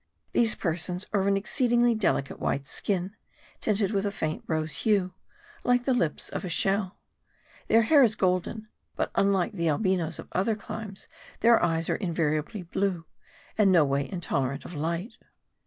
These persons are of an exceedingly delicate white skin, tinted with a faint rose hue, like the lips of a shell. Their hair is golden. But, unlike the Albinos of other climes, their eyes are invariably blue, and no way in tolerant of light.